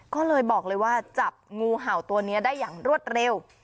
ก็เลยบอกเลยว่าจับงูเห่าตัวนี้ได้อย่างรวดเร็ว